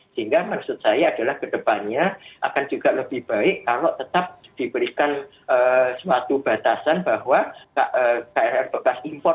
sehingga maksud saya adalah kedepannya akan juga lebih baik kalau tetap diberikan suatu batasan bahwa krl bekas impor